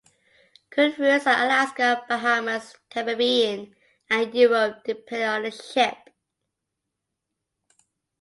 Current routes are Alaska, Bahamas, Caribbean, and Europe, depending on the ship.